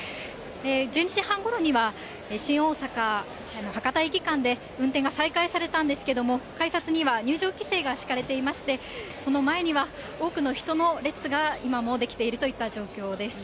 １１時半ごろには、新大阪・博多駅間で運転が再開されたんですけれども、改札には入場規制が敷かれていまして、その前には、多くの人の列が今も出来ているといった状況です。